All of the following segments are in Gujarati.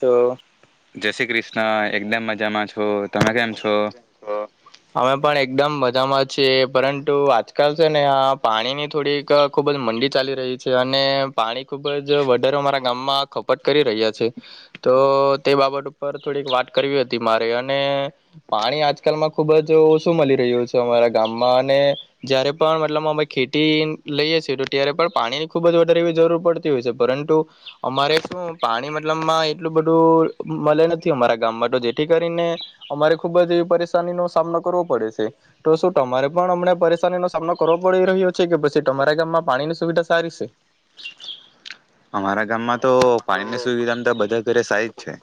તો જૈસે ક્રિસ્ હ એકદમ મજામાં છ અમે પણ એકદમ બધામાં છે પરંતુ આજકાલ છે ને આ પાણીની થોડીક ખુબ જ મંડી ચાલી રહી છે અને પાણી ખુબ જ વડરો મારા ગામમાં ખપટ કરી રહ્યા છે તો તે બાબત ઉપર થોડીક વાત કરવી હતી મારે. અને પાણી આજકાલમાં ખૂબ જ ઓછું મળી રહ્યું છે અમારા ગામમાં અને જ્યારે પણ મતલબ અમે ખેતી લઈએ છીએ તો ત્યારે પણ પાણીની ખૂબ જ વધારે એવી જરૂર પડતી હોય છે પરંતુ અમારે શું પાણી મતલબમાં એટલું બધું મળે નથી અમારા ગામમાં તો જેથી કરીને અમારે ખુબ જ એવી પરેશાની નો સામનો કરવો પડે છે તો શું તમારે પણ હમણાં પરેશાની નો સામનો કરવો પડી રહ્યો છે કે પછી તમારા ગામમાં પાણીની સુવિધા સારી છે. અમારા ગામમાં તો પાણીની સુવિધામાં તો બધા ઘરે સાઈજ છે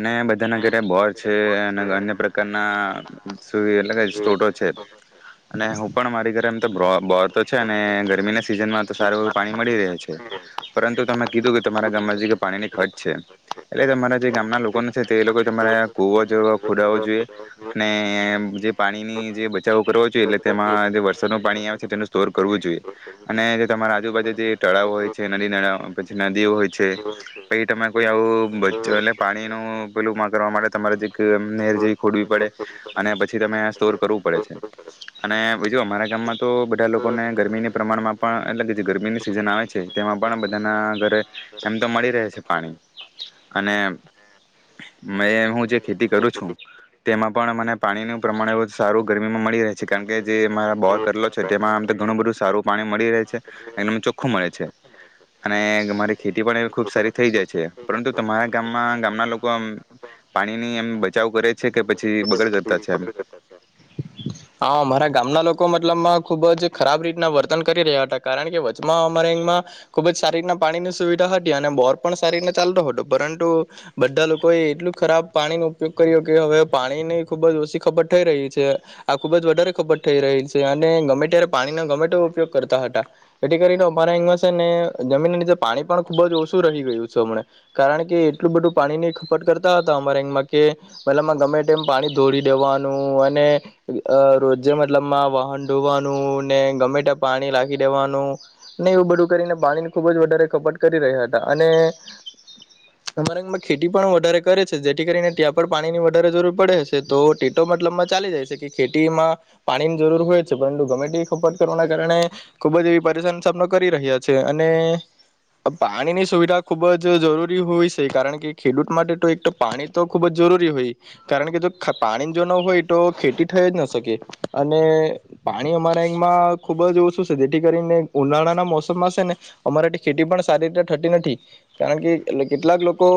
અને બધા ના ઘરે બોર છે. અન્ય પ્રકારના એટો છે અને હું પણ મારી ઘરે એમ તો બોરતો છે અને ગરમીના સિઝનમાં તો સારું એવું પાણી મળી રહે છે. પરંતુ તમે કીધું કે તમારા ગામમાં જે પાણીની ખર્ચ છે એટલે તમારા જે ગામના લોકો ન છે તે લોકો તમારા કુવો જેવી ખોદાવો જોઈએ અને જે પાણીની જે બચાવો કરવો જોઈએ, એટલે તેમાં જે વરસાદનું પાણી આવે છે તેનું સ્ટોર કરવું જોઈએ અને જે તમારા આજુ બાજુ જે તળાવ હોય છે નદીના પછી નદી હોય છે, પછી તમે કોઈ આવું બ એટલે પાણી નું પેલું કરવા માટે તમે નજીક એમ નહેર જેવી ખોડવી પડે અને પછી તમે સ્ટોર કરવું પડે છે અને બીજું અમારા ગામમાં તો બધા લોકોને ગરમીની પ્રમાણમાં પણ એટલે કે જે ગરમીની સિઝન આવે છે તેમાં પણ બધાના ઘરે એમ તો મળી રહે છે પાણી અને મેં હું જે ખેતી કરું છું, તેમાં પણ પાણીનું પ્રમાણ એવું સારું ગરમીમાં મળી રહે છે, કારણકે જે અમારા બોર કરલો છે, તેમાં આમ તો ઘણું બધું સારું પાણી મળી રહે છે એમ નેમ ચોખ્ખું મળે છે. અને મારી ખેતી પણ ખુબ સારી થઈ જાય છે, પરંતુ તમારા ગામમાં ગામના લોકો આમ પાણીની એમ બચાવ કરે છે કે પછી બગડ કરતા છે એમ. હા અમારા ના વર્તન કરી રહ્યા હતા, કારણકે વચ્ચમાં અમારેમાં ખૂબ જ સારી રીતના પાણીની સુવિધા હતી અને બોર પણ સારી રીતના ચાલતો હતો, પરંતુ બધા લોકોએ એટલું ખરાબ પાણીનો ઉપયોગ કર્યો કે હવે પાણીની ખૂબજ ઓછી ખબત થઈ રહી છે આ ખૂબજ વધારે ખબત થઈ રહી છે અને ગમે ત્યારે પાણીનો ગમે તેવો ઉપયોગ કરતા હતા. એથી કરીને અમારાંગમાં છે ને જમીન નીચે પાણી પણ ખુબજ ઓછું રહી ગયું છે હમને, કારણકે એટલું બધું પાણી ની ખપટ કરતા હતા અમારા અંગમાં કે મતલબમાં ગમે ટાઈમ પાણી ધોરી દેવાનું અને રોજે મતલબમાં વાહન ધોવાનું ને ગમે ત્યાં પાણી લાખી દેવાનું, એવું બધું કરીને પાણીની ખુબ જ વધારે ખપટ કરી રહ્યા હતા અને અમારામાં ખેતી પણ વધારે કરે છે, જેથી કરીને ત્યાં પર પાણી ની વધારે જરૂર પડે છે તો તેતો મતલબમાં ચાલી જાય છે કે ખેતીમાં પાણીની જરૂર હોય છે, પરંતુ ગમે તે ખપટ કરવાના કારણે ખૂબજ એવી પરેશાન સામનો કરી રહ્યા છે અને પાણીની સુવિધા ખુબજ જરૂરી હોય છે, કારણકે ખેડૂત માટે તો એક તો પાણી તો ખૂબજ જરૂરી હોય, કારણકે જો પાણી જો ન હોય તો ખેતી થઈજ ન શકે અને પાણી અમારામાં ખૂબજ ઓછું છે, જેથી કરીને ઉનાળાના મોસમમાં છે ને અમારાથી ખેતી પણ સારી રીતે થતી નથી, કારણકે કેટલાક લોકો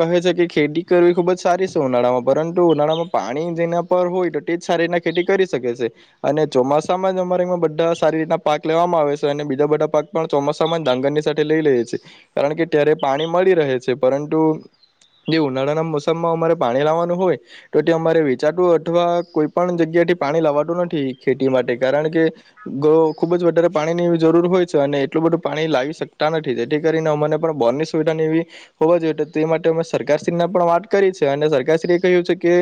કહે છે કે ખેતી કરવી ખૂબ જ સારી છે ઉનાળામાં, પરંતુ ઉનાળામાં પાણી જેના પર હોય, તો તેજ સારી રીના ખેતી કરી શકે છે અને ચોમાસામાં જ અમારેમાં બા સારી રીતના પાક લેવામાં આવે છે અને બીજા બધા પાક પણ ચોમાસામાં ડાંગર ની સાથે લઈ લઈએ છે કારણ કે ત્યારે પાણી મળી રહે છે, પરંતુ જે ઉનાળાના મોસમમાં અમારે પાણી લાવવાનું હોય, તો તે અમારે વેચાતું અથવા કોઈ પણ જગ્યાથી પાણી લવાતું નથી ખેતી માટે, કારણકે તો ખૂબજ વધારે પાણીની એવી જરૂર હોય છે અને એટલું બધું પાણી લાવી શકતા નથી, જેથી કરીને અમાને પણ બોનની સુવિધાની એવી હોવા જોઈએ તો તે માટે અમે સરકારશ્રીને પણ વાત કરી છે અને સરકારશ્રી એ કહ્યું છે કે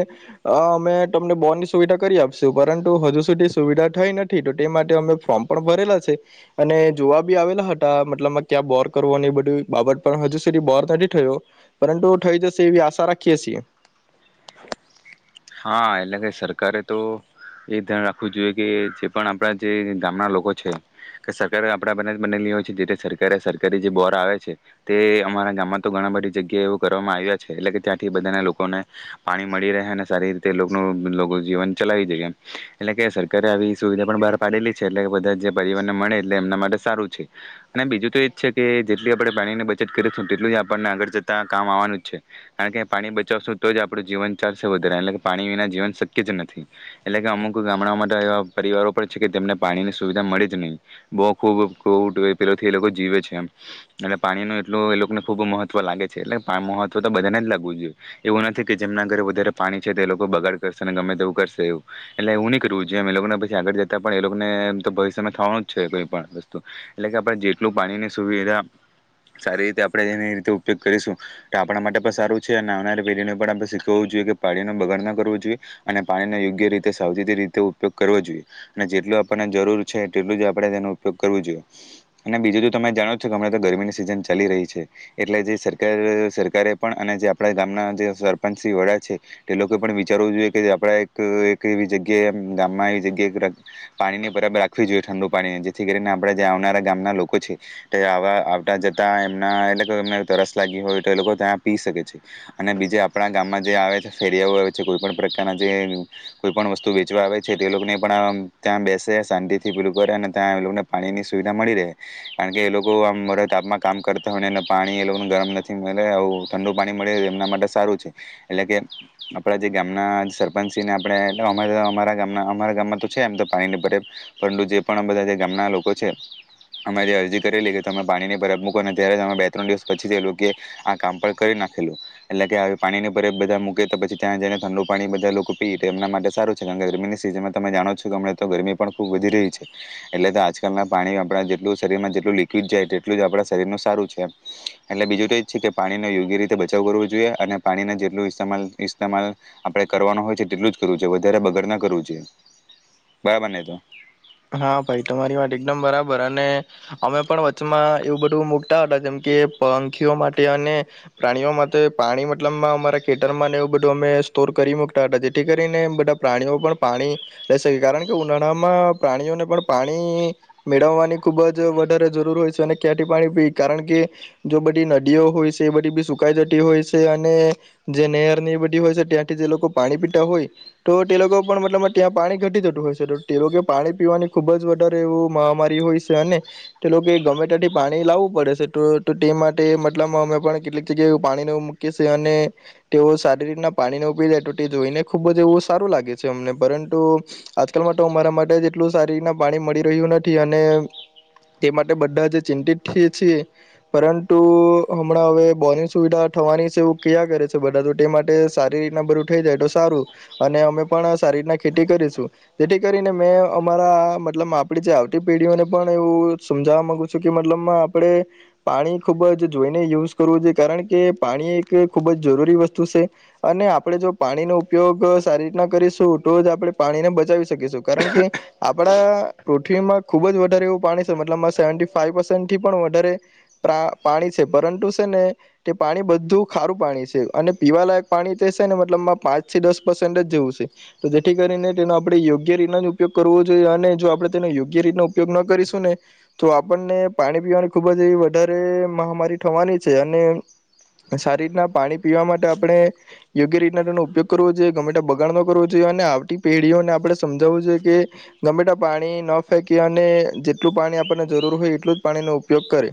અમે તમને બોનની સુવિધા કરી આપશું, પરંતુ હજુ સુધી સુવિધા થઈ નથી તે માટે અમે ફોર્મ પણ ભરેલા છે અને જોવા બી આવેલા હતા મતલબ માં ક્યાં બોર કરવો ને એ બઢુ બાબત પણ હજુ સુધી બોર નથી થયો, પરંતુ ઠઈ જશે એવી આશા રાખીએ સીએ હા એટલે કે સરકારે તો એ ધ્યાન રાખવું જોઈએ કે એ છે પણ આપણા જે ગામના લોકો છે કે સરકારે આપણા બધા જ બનેલી હોય છે જે તે સરકારે સરકારી જે બોર આવે છે તે અમારા ગામમાં તો ઘણા બધી જગ્યાએ એવું કરવામાં આવ્યા છે એટલે કે ત્યાંથી બધાના લોકોને પાણી મળી રહે અને સારી રીતે લોકનું લોકો જીવન ચલાવી દેય એમ એટલે કે સરકારે આવી સુવિધા પણ બહાર પાડેલી છે એટલે કે બધા જે પરિવવારને મળે એટલે એમના માટે સારું છે અને બીજું તો એજ છે કે જેટલી આપણે પાણીની બચત કરીશું તેટલું જ આપણને આગળ જતા કામ આવવાનું જ છે કાણ કે પાણી બચાવશું તો જ આપણું જીવન ચાલશે વ એટલે કે પાણી વિના જીવન શક્ય જ નથી, એટલે કે અમુક ગામડાઓ માટે એવા પરિવારો પણ છે, કે તેમને પાણીની સુવિધા મળે જ નઈ બો ખૂબ [unintelligible] પેલેથી એ લોકો જીવે છે એમ એટલે પાણીનું એટલું એ લોકને ખુબ મહત્વ લાગે છે એટલે પા મહત્વ તો બધાને જ લાગવું જોઈએ, એવું નથી કે જેમના ઘરે વધારે પાણી છે તે એ લોકો બગાડ કરશે ને ગમે તેવું કરશે એવું એટલે એવુ ની કરવું જોએ અમે લોકોને પછી આગળ જતા પણ એ લોકોને એમ તો ભવિષ્યમાં થવાનું જ છે કોઈ પણ વસ્તુ એટલે કે આપણે જેટલું પાણીની સુવિધા સારી રીતે આપણે એની રીતે ઉપયોગ કરીશું, તો આપણા માટે પણ સારું છે અને આવનારી પેઢીને પણ આપણે શીખવવું જોઈએ કે પાણીનો બગાડ ન કરવો જોઈએ અને પાણીનો યોગ્ય રીતે સાવચેતી રીતે ઉપયોગ કરવો જોઈએ અને જેટલું આપણને જરૂર છે તેટલું જ આપણે તેનો ઉપયોગ કરવો જોઈએ અને બીજું તો તમે જાણો જ છો કે હમણાં તો ગરમીની સિઝન ચાલી રહી છે એટલે જે સરકાર સરકારે પણ અને જે આપડા ગામના જે સરપંચ સી વડા છે એ લોકો પણ વિચારવું જોઈએ કે જે આપડા એક એક એવી જગ્યાએ અમ્ ગામમાં એ જગ્યાએ [unintelligible] પાણીની પરબ રાખવી જોઈએ ઠંડુ પાણીને જેથી કરીને આપણે ત્યાં આવનારા ગામના લોકો છે, તે આવા આવતા જતા એમના એટલે કે એમને તરસ લાગી હોય, તો એ લોકો ત્યાં પી શકે છે અને બીજે આપણા ગામમાં જે આવે છે ફેરિયાઓ આવે છે, કોઈ પણ પ્રકારના જે કોઈ પણ વસ્તુ વેચવા આવે છે, તે એ લોકોને પણ આ ત્યાં બેસે શાંતિથી પીલું કરે અને ત્યાં એ લોકોને પાણીની સુવિધા મળી રે, કાણ કે એ લોકો આમ મરે તાપમાં કામ કરતા હોય ને એ પાણી એ લોકોને ગરમ નથી મલે આવુ ઠંડુ પાણી મળે એ એમના માટે સારું છે એટલે કે આપણા જે ગામના સરપંચસીને આપણે અમારા અમારા ગામના અમારા ગામમાં તો છે એમ તો પાણીની પર પરંતુ જે પણ બધા જે ગામના લોકો છે અમે જે અરજી કરેલી કે તમે પાણીની પરબ મૂકો ને ત્યારે જ અમે બે ત્રણ દિવસ પછી જ એ લોકે આ કામ પર કરી નાખેલું એટલે કે આવી પાણીની પરબ બધા મૂક કે તો પછી ત્યાં જઈને ઠંડુ પાણી બધા લોકો પીએ કે એમના માટે સારું છે, કાણ કે ગરમીની સિઝનમાં તમે જાણો છો કે અમણે તો ગરમી પણ ખૂબ વધી રહી છે એટલે તો આજકાલના પાણી આપણા જેટલું શરીરમાં જેટલું લિક્વિડ જાય તેટલું જ આપણા શરીરનું સારું છે એમ એટલે બીજું તો એ જ છે કે પાણીનો યોગ્ય રીતે બચાવ કરવો જોઈએ અને પાણીને જેટલું ઇસ્તેમાલ ઇસ્તમાલ આપડે કરવાનો હોય છે તેટલું જ કરવું જોઈ વધારે બગડ ના કરવું જોએ, બરાબર ને તો હા ભાઈ તમારી માટે એકદમ બરાબર અને અમે પણ વચચમાં એવું બઢુ મુૂકટા હતા, જેમ કે પંખીઓ માટે અને પ્રાણીઓ માટે પાણી મતલબમાં અમારા ખેટરમાં ને એવું બધું અમે સ્તોર કરી મુકતા હતા જેથી કરીને બઢા પ્રાણીઓ પણ પાણી [unintelligible] કારણ કે ઉનાળામાં પ્રાણીઓને પણ પાણી મેળવવાની ખુબ જ વઢારે જરૂર હોય છે અને ક્યાંઠી પાણી પી કારણ કે જો બઢી નદીઓ હોય છે એ બધી બી સુકાઈ જટી હોય છે અને જે નેહરની એ બઢી હોય છે, ત્યાંથી જે લોકો પાણી પીટા હોય ટો ટે લોકો પણ મતલબ ત્યાં પાણી ઘટી જટુ હોય છે ટો તે લોકો પાણી પીવાની ખૂબ જ વઢારે એવું મહામારી હોય સે અને ટે લોકે ગમે તાંથી પાણી લાવવું પડે સે, ટો ટે માટે મતલબમાં અમે પણ કેટલીક જગ્યાએ એવુ ને પાણીને એવુ મૂકીએ સે અને ટેઓ સારી રીતના પાણી ને એવુ પી જાય તો તે જોઈને ખૂબ જ એવું સારું લાગે છે અમને પરંતુ આજકાલમાં ટો અમારા મા ટે જેટલું સારી રીતના પાણી મળી રહ્યું નથી અને તે માટે બઢા જ ચિંતિત [unintelligible] છીએ પરંતુ અમણાં અવે બોરની સુવિધા થવાની સે એવુ કિયા કરે છે બઢા ટો ટે માટે સારી રીતના બરું થઈ જાય તો સારું અને અમે પણ સારી રીતના ખેટી કરીશું જેઠી કરીને મેં અમારા મતલબ માં આપડી જે આવતી પેઢીઓને પણ એવું સમજાવવા માગુ છું, કે મતલબ માં આપડે પાણી ખુબ જ જોઈને યુઝ કરવું જોઈએ, કારણ કે પાણી એક ખુબ જ જરૂરી વસ્તુ છે અને આપણે જો પાણીનો ઉપયોગ સારી રીતના કરીશું તો જ આપણે પાણીને બચાવી શકીશું. કારણ કે આપણા પૃથ્વીમાં ખૂબ જ વધારે એવું પાણી સે, મતલબમાં સેવન્ટી ફાઈવ પર્સેન્ટથી પણ વધારે પ્રા પાણી છે પરંટુ સે ને તે પાણી બધું ખારું પાણી છે અને પીવાલાયક પાણી જે સે ને મતલબમાં પાંચથી દસ પર્સેન્ટ જ જેવું સે, તો જેઠી કરીને તેનો આપણે યોગ્ ગ્ય રીતના જ ઉપયોગ કરવો જોઈએ અને જો આપણે તેનો યોગ્ય રીતનો ઉપયોગ ન કરીશું ને, તો આપણને પાણી પીવાની ખુબ જ એવી વધારે મહામારી થવાની છે અને સારી રીતના પાણી પીવા માટે આપણે યોગ્ય રીતના તેનો ઉપયોગ કરવો જોઈએ, ગમે ટેમ બગાડ ન કરવો જોઈએ અને આવતી પેઢીઓને આપણે સમજાવું જો કે ગમે ટેમ પાણી ન ફેંકીએ અને જેટલું પાણી આપણને જરૂર હોય એટલું જ પાણીનો ઉપયોગ કરે.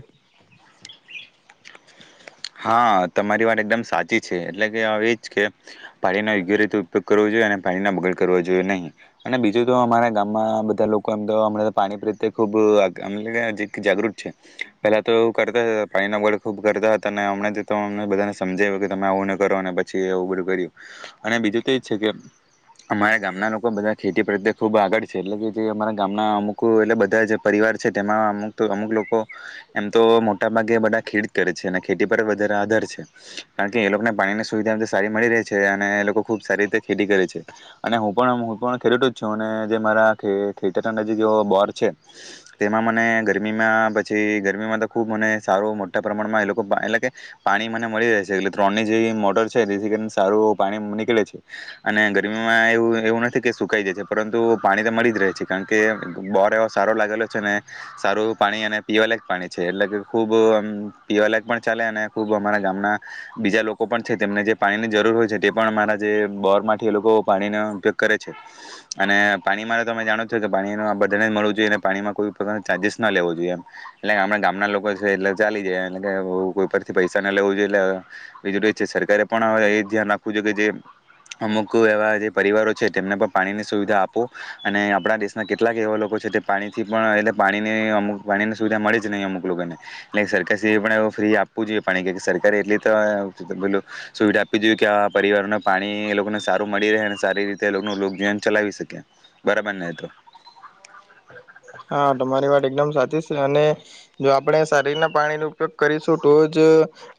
હા તમારી વાત એકદમ સાચી છે એટલે કે અવે એ જ કે પાણીનો યોગ્ય રીતે ઉપયોગ કરવો જોઈએ અને પાણીના બગડ કરવો જોઈએ નઈ અને બીજું તો અમારા ગામમાં બધા લોકો એમ તો અમણે પાણી પ્રત્યે ખૂબ [unintelligible] જાગૃત છે, પહેલા તો એવુ કરતા તા પાણીનો બગાડ ખૂબ કરતા અને અમણે તે તો અમને બધાને સમજાય્વુ કે તમે આવું ન કરો ને પછી એવું બઢુ કર્યું અને બીજું તો એજ છે કે અમારા ગામના લોકો બધા ખેતી પ્રત્યે ખુબ આગળ છે, એટલે કે જે અમારા ગામના અમુક એટલે બધા જે પરિવાર છે, તેમાં અમુક તો અમુક લોકો એમ તો મોટા ભાગે બધા ખેડી જ કરે છે અને ખેતી પર વધારે આધાર છે, કાણ કે એ લોકોને પાણીની સુવિધા બધી સારી મળી રે છે અને એ લોકો ખૂબ સારી રીતે ખેતી કરે છે અને હું પણ હું પણ ખેડૂત જ છું અને જે મારા ખે ખેતત નજીક એવો બોર છે, તેમાં મને ગરમીમાં પછી ગરમીમાં તો ખૂબ મને સારું મોટા પ્રમાણમાં એ લો કો બ એટલે કે પાણી મને મળી રહે છે એટલે ત્રણ ની જેવી મોટર છે, જેથી કરીને સારું પાણી નીકળે છે અને ગરમીમાં એવું એવું નથી કે સુકાઈ જાય છે, પરંતુ પાણી તો મળી જ રહે છે, કાણ કે બ બોર એવો સારો લાગેલો છે ને સારું એવુ પાણી અને પીવાલાયક પાણી છે એટલે કે ખુબ આમ પીવાલાયક પણ ચાલે અને ખુબ અમારા ગામના બીજા લોકો પણ છે તેમને જે પાણીની જરૂર હોય છે, તે પણ અમારા જે બોર માંથી એ લોકો પાણીનો ઉપયોગ કરે છે અને પાણી મારે તમે જાણો જ છો કે પાણીનો આ બધાને મળવું જોઈએ અને પાણીમાં કોઈ પ્રકારનાં ચાર્જીસ ન લેવો જોઈએ એમ, એટલે આપણા ગામના લોકો છે એટલે ચાલી જાય [unintelligible] કોઈ પરથી પૈસા ન લેવું જોઈ એટલે બીજુ તો એજ છે સરકારે પણ અવે એ ધ્યાન રાખવું જોઈએ કે જે અમુક એવા જે પરિવારો છે તેમને પણ પાણીની સુવિધા આપો અને આપણા દેશના કેટલાક એવા લોકો છે તે પાણીથી પણ એટલે પાણીની અમુક પાણીની સુવિધા મળે જ નહીં અમુક લોકોને એટલે સરકે પણ ફ્રી આપવું જોઈએ પાણી સરકારે એટલી તો પે સુવિધા આપવી જોઈએ કે આ પરિવારોને પાણી એ લોકોને સારું મળી રહે અને સારી રીતેનું લોકજીવન ચલાવી શકે બરાબર ને તો હા તમારી વાત એકદમ સાચી છે અને જો આપણે સારી રીતના પાણીનો ઉપયોગ કરીશું તો જ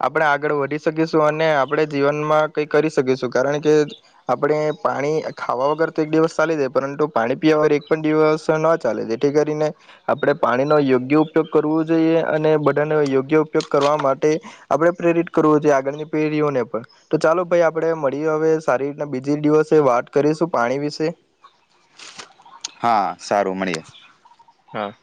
આપણે આગળ વધી શકીશું અને આપણે જીવનમાં કઈ કરી શકીશું કારણ કે આપણે પાણી ખાવા વગર તો એક દિવસ ચાલી જાય પરંતુ પાણી પીવા વગર એક પણ દિવસ ન ચાલે દે જેથી કરીને આપણે પાણીનો યોગ્ય ઉપયોગ કરવો જોઈએ અને બધાનો યોગ્ય ઉપયોગ કરવા માટે આપણે પ્રેરિત કરવો જોઈએ આગળની પેઢીઓને પણ તો ચાલો ભાઈ આપણે મળીએ હવે સારી રીતના બીજ દિવસે વાત કરીશું પાણી વિશે. હા સારું મળીએ. હા.